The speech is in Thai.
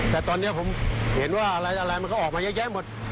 แต่ตอนนี้ผมเห็นว่าอะไรมันก็ออกมาเยอะแยะหมด